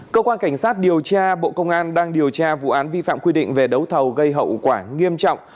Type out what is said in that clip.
cơ quan cảnh sát điều tra bộ công an đang điều tra vụ án vi phạm quy định về đấu thầu gây hậu quả nghiêm trọng